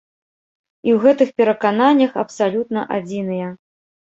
І ў гэтых перакананнях абсалютна адзіныя.